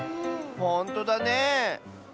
ほんとだねえ。